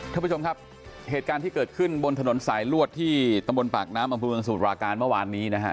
ท่านผู้ชมครับเหตุการณ์ที่เกิดขึ้นบนถนนสายรวดที่ตำบลปากน้ำอสุราการมาวานนี้นะครับ